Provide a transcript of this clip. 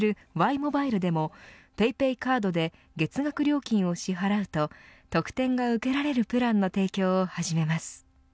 ｍｏｂｉｌｅでもＰａｙＰａｙカードで月額料金を支払うと特典が受けられるプランの提供を始めます。